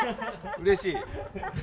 うれしい。